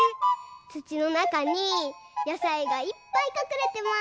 つちのなかにやさいがいっぱいかくれてます。